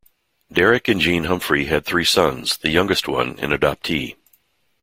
Derek and Jean Humphry had three sons, the youngest one an adoptee.